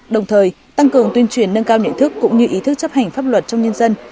đồng thời tăng cường tuyên truyền nâng cao nhận thức cũng như ý thức chấp hành pháp luật trong nhân dân